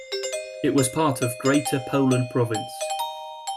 It was part of Greater Poland province.